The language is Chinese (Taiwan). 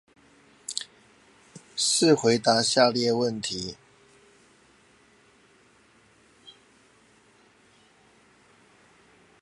試回答下列問題